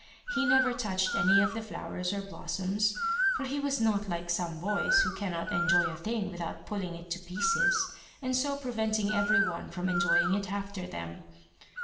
He never touched any of the flowers or blossoms, for he was not like some boys who cannot enjoy a thing without pulling it to pieces, and so preventing every one from enjoying it after them.